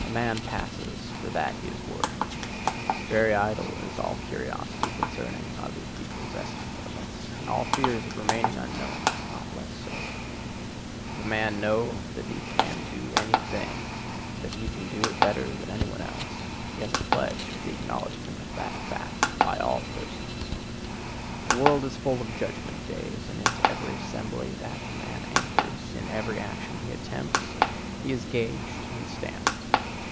A man passes for that he is worth. Very idle is all curiosity concerning other people's estimate of us, and all fear of remaining unknown is not less so. If a man know that he can do any thing,—that he can do it better than any one else,—he has a pledge of the acknowledgment of that fact by all persons. The world is full of judgment days, and into every assembly that a man enters, in every action he attempts, he is gauged and stamped.